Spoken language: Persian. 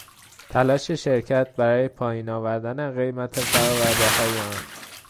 تلاش شرکت برای پایین آوردن قیمت فرآوردههای آن